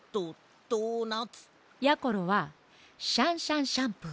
やころは「シャンシャンシャンプー」。